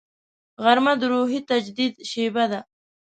غرمه د روحي تجدید شیبه ده